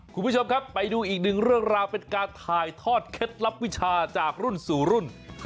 คุณผู้ชมครับไปดูอีกหนึ่งเรื่องราวเป็นการถ่ายทอดเคล็ดลับวิชาจากรุ่นสู่รุ่น